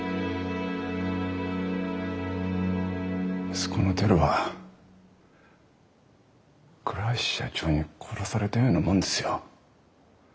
息子の輝は倉橋社長に殺されたようなもんですよ。